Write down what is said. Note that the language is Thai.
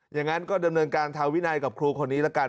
อย่างนั้นก็ดำเนินการทางวินัยกับครูคนนี้ละกัน